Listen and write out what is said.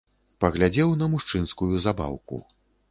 Паглядзеў на мужчынскую забаўку.